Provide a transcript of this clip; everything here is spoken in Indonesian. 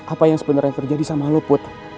apa yang sebenarnya terjadi sama lo put